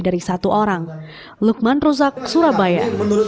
dari satu orang lukman rozak surabaya